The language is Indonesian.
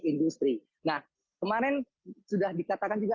industri nah kemarin sudah dikatakan juga